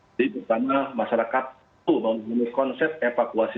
jadi pertama masyarakat itu memiliki konsep evakuasi